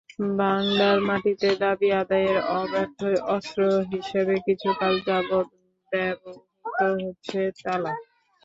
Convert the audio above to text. বাংলার মাটিতে দাবি আদায়ের অব্যর্থ অস্ত্র হিসেবে কিছুকাল যাবৎ ব্যবহূত হচ্ছে তালা।